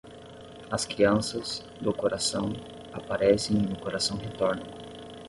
As crianças, do coração, aparecem e no coração retornam.